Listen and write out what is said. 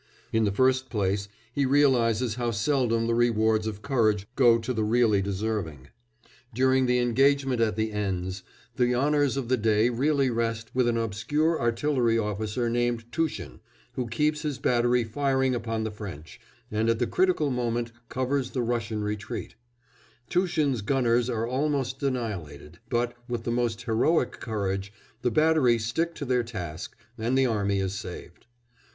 In the first place he realises how seldom the rewards of courage go to the really deserving. During the engagement at the Enns the honours of the day really rest with an obscure artillery officer named Tushin, who keeps his battery firing upon the French, and at the critical moment covers the Russian retreat; Tushin's gunners are almost annihilated, but, with the most heroic courage, the battery stick to their task and the army is saved.